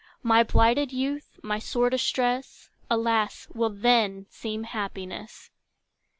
My blighted youth, my sore distress, Alas, will then seem happiness!